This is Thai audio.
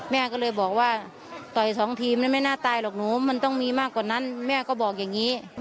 แม่ก็เลยบอกว่าต่อยสองทีมไม่น่าตายหรอกหนูมันต้องมีมากกว่านั้นแม่ก็บอกอย่างนี้